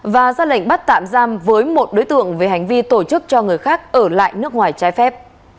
và ra lệnh bắt tạm giam với một đối tượng về hành vi tổ chức cho người khác ở lại nước ngoài trái phép